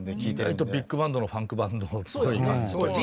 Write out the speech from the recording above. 意外とビッグバンドのファンクバンドっぽい感じというか。